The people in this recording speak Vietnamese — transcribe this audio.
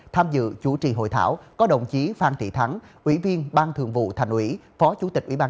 tham dự chủ trì hội thảo có đồng chí